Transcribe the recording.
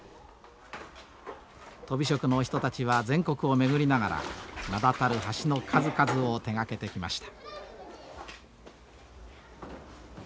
とび職の人たちは全国を巡りながら名だたる橋の数々を手がけてきました。